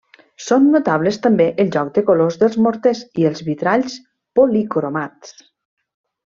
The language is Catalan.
Són notables també el joc de colors dels morters i els vitralls policromats.